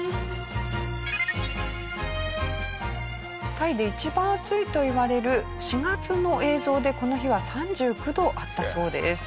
タイで一番暑いといわれる４月の映像でこの日は３９度あったそうです。